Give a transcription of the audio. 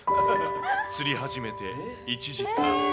釣り始めて１時間。